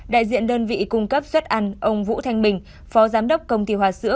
đại diện đơn vị cung cấp suất ăn ông vũ thanh bình phó giám đốc công ty hòa sữa